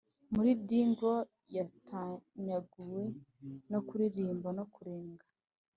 muri dingle yatanyaguwe no kuririmba no kurenga